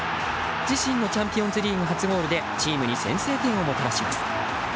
自身のチャンピオンズリーグ初ゴールでチームに先制点をもたらします。